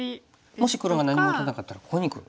もし黒が何も打たなかったらここにくる。